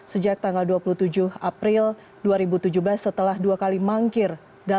sejak tanggal dua puluh tujuh april dua ribu tujuh belas setelah dua kali mangkir